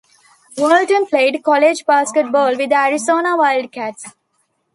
Walton played college basketball with the Arizona Wildcats.